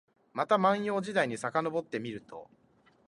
また万葉時代にさかのぼってみると、